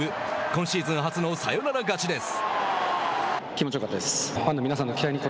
今シーズン初のサヨナラ勝ちです。